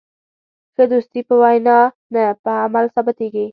ښه دوستي په وینا نه، په عمل ثابتېږي.